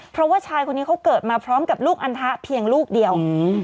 เพราะว่าชายคนนี้เขาเกิดมาพร้อมกับลูกอันทะเพียงลูกเดียว